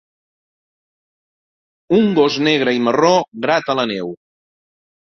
un gos negre i marró grata la neu.